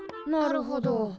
なるほど。